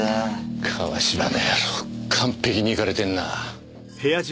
川芝の野郎完璧にいかれてるな。